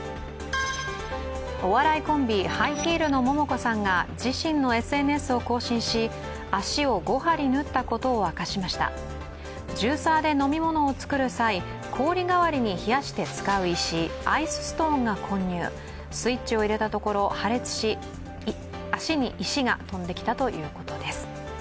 お笑いコンビ、ハイヒールのモモコさんが自身のＳＮＳを更新し足を５針縫ったことを明かしましたジューサーで飲み物を作る際、氷代わりに冷やして使う石アイスストーンが混入、スイッチを入れたところ破裂し、足に石が飛んできたということです。